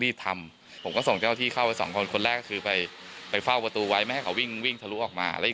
สุดท้ายก็โชคดีมากช่วยเหลือเข้าได้อย่างปลอดภัย